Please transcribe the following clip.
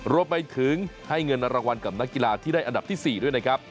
รวมไปถึงให้เงินรางวัลกับนักกีฬาที่ได้อันดับที่๔ด้วยนะครับ